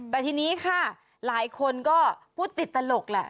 แต่ทีนี้ค่ะหลายคนก็พูดติดตลกแหละ